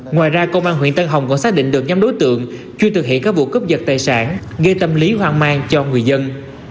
ngoài ra công an huyện tân hồng còn xác định được nhóm đối tượng chuyên thực hiện các vụ cướp dật tài sản gây tâm lý hoang mang cho người dân